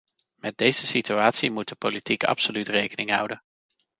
Met deze situatie moet de politiek absoluut rekening houden.